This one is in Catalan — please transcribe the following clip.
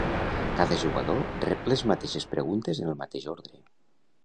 Cada jugador rep les mateixes preguntes en el mateix ordre.